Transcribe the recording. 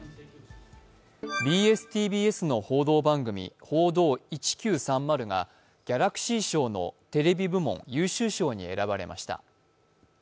ＢＳ−ＴＢＳの報道番組「報道１９３０」がギャラクシー賞のテレビ部門優秀賞に選ばれました。